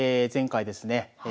前回ですね